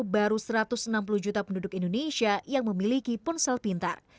baru satu ratus enam puluh juta penduduk indonesia yang memiliki ponsel pintar